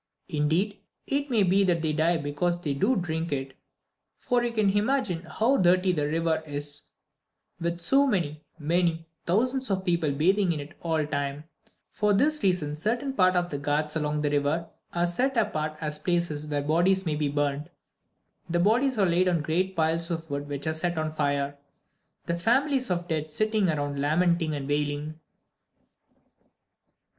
Indeed, it may be that they die because they do drink it; for you can imagine how dirty the river is with so many, many thousands of people bathing in it all the time. For this reason certain of the "ghats" along the river are set apart as places where bodies may be burned. The bodies are laid on great piles of wood which are set on fire, the families of the dead sitting around lamenting and wailing.